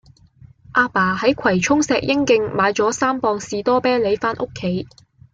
亞爸喺葵涌石英徑買左三磅士多啤梨返屋企